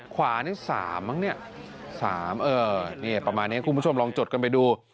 ขวานี่๓มั้งเนี่ย๓เออนี่ประมาณนี้คุณผู้ชมลองจดกันไปดู